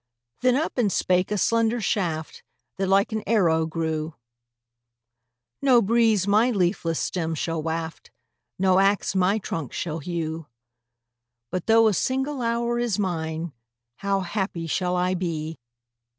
Then up and spake a slender shaft, That like an arrow grew; "No breeze my leafless stem shall waft, No ax my trunk shall hew But though a single hour is mine, How happy shall I be!